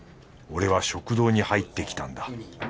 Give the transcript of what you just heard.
俺は食堂に入ってきたんだ。